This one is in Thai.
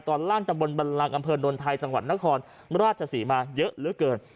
ตอนล่างตำบลบันลังอำเภอนนไทยจังหวัดนครราชศรีมาเยอะเหลือเกิน